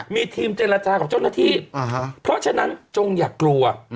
มีทีมเจรจากับเจ้าหน้าที่เพราะฉะนั้นจงอย่ากลัว